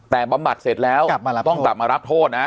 แต่บำบัดเสร็จแล้วต้องกลับมารับโทษนะ